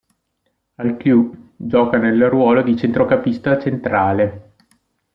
Al Cluj gioca nel ruolo di centrocampista centrale.